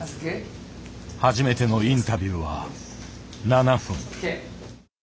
初めてのインタビューは７分。